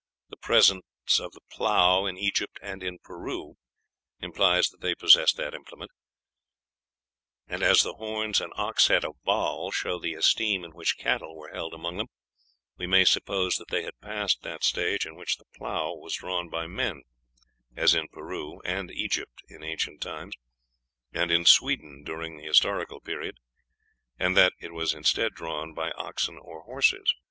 The presence of the plough in Egypt and Peru implies that they possessed that implement. And as the horns and ox head of Baal show the esteem in which cattle were held among them, we may suppose that they had passed the stage in which the plough was drawn by men, as in Peru and Egypt in ancient times, and in Sweden during the Historical Period, and that it was drawn by oxen or horses.